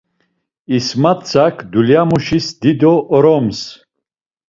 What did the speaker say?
İsmatzak dulyamuşis dido oroms.